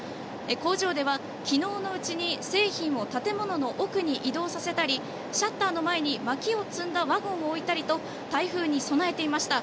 工場では昨日のうちに製品を建物の奥に移動させたりシャッターの前にまきを積んだワゴンを置いたりと台風に備えていました。